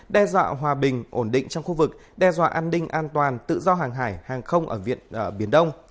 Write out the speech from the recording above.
đe dọa hòa bình ổn định trong khu vực đe dọa an ninh an toàn tự do hàng hải hàng không ở viện đông